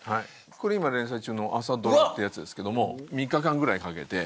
これ今連載中の『あさドラ！』ってやつですけども３日間ぐらいかけて。